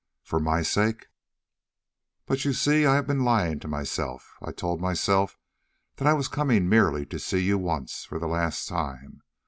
"For my sake." "But you see, I have been lying to myself. I told myself that I was coming merely to see you once for the last time.